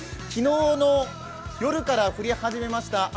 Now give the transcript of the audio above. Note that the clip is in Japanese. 昨日の夜から降り始めました